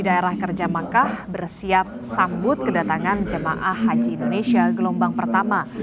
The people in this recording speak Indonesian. daerah kerja makkah bersiap sambut kedatangan jemaah haji indonesia gelombang pertama